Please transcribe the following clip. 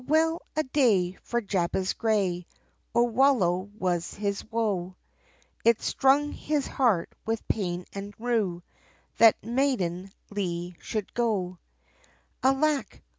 well a day, for Jabez Gray, O wallow was his woe, It stung his heart with pain and rue, That Mayden Lee should go, Alack!